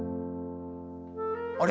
あれ？